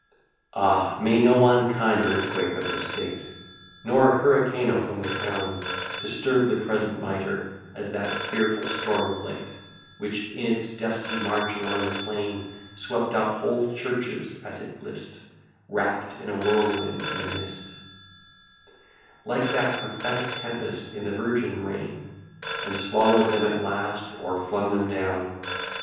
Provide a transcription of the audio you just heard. X Ah! may no unkind earthquake of the state, Nor hurricano from the crown, Disturb the present mitre, as that fearful storm of late, Which, in its dusky march along the plain, Swept up whole churches as it list, Wrapp'd in a whirlwind and a mist; Like that prophetic tempest in the virgin reign, And swallow'd them at last, or flung them down.